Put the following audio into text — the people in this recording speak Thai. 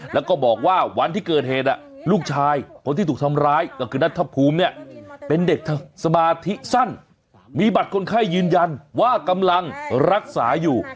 แล้วก็บอกว่าวันที่เกิดเหตุลูกชายคนที่ถูกทำร้ายก็คือนัทธภูมิเนี่ยเป็นเด็กสมาธิสั้นมีบัตรคนไข้ยืนยันว่ากำลังรักษาอยู่